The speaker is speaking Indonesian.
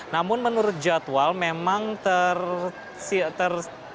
namun menurut jadwal memang ter